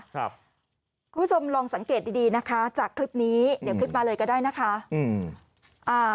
คุณผู้ชมลองสังเกตดีดีนะคะจากคลิปนี้เดี๋ยวคลิปมาเลยก็ได้นะคะอืมอ่า